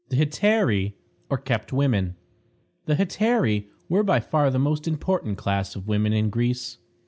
THE HETAIRÆ, OR KEPT WOMEN. The Hetairæ were by far the most important class of women in Greece.